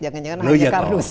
jangan jangan hanya kabus